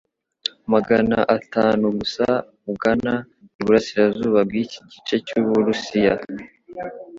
Magana atanu gusa ugana iburasirazuba bw'iki gice cy'Uburusiya